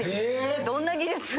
どんな技術！？